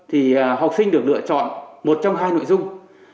thì học sinh được lựa chọn một trong hai nội dung